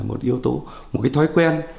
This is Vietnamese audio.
một yếu tố một cái thói quen